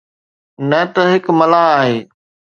نه ته هڪ ملاح آهي.